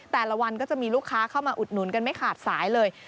แต่ละวันก็จะมีลูกค้าเข้ามาอุดหนุนกันไม่ขาดสายเลย